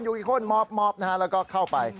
ยูยูกี่คนมอบมอบนะฮะแล้วก็เข้าไป